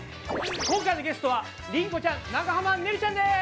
今回のゲストはりんごちゃん長濱ねるちゃんです！